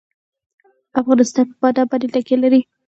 افغانستان په بادام باندې تکیه لري.